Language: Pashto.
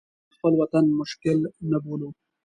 د خپل وطن مشکل نه بولو.